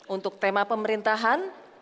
untuk tema pemerintahan